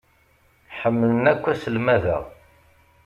Ḥemmlen akk aselmad-a.